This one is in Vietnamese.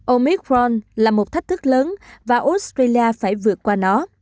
omicron là một thách thức lớn và australia phải vượt qua nó